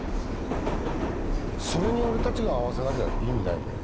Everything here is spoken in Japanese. それに俺たちが合わせなきゃ意味ないんだよな。